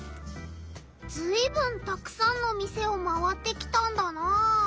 ずいぶんたくさんの店を回ってきたんだなあ。